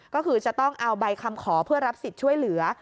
ก็คือจะต้องเอาใบคำขอเพื่อรับสิทธิ์ช่วยเหลือ